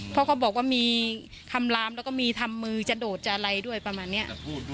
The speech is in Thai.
เพราะเขาบอกว่ามีคำลามแล้วก็มีทำมือจะโดดจะอะไรด้วยประมาณนี้